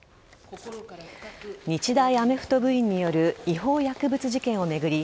日大アメフト部員による違法薬物事件を巡り